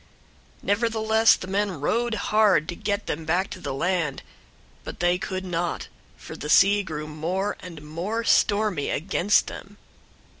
001:013 Nevertheless the men rowed hard to get them back to the land; but they could not, for the sea grew more and more stormy against them.